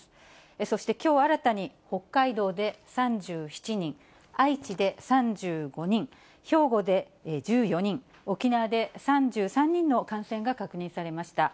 そして、きょう新たに北海道で３７人、愛知で３５人、兵庫で１４人、沖縄で３３人の感染が確認されました。